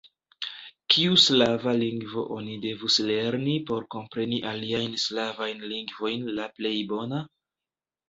Kiu slava lingvo oni devus lerni por kompreni aliajn slavajn lingvojn la plej bona?